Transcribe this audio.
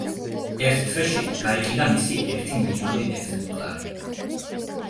ერთ თვეში გაიყიდა მისი ერთი მილიონი ეგზემპლარი.